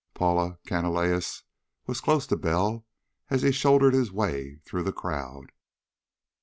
Paula Canalejas was close to Bell as he shouldered his way through the crowd.